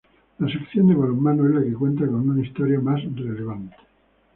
La sección de balonmano es la que cuenta con una historia más relevante.